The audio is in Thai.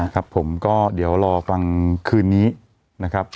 ครับผมก็เดี๋ยวรอฟังคืนนี้นะครับ